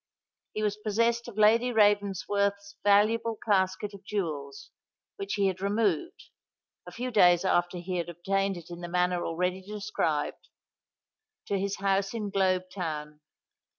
He was possessed of Lady Ravensworth's valuable casket of jewels, which he had removed, a few days after he had obtained it in the manner already described, to his house in Globe Town.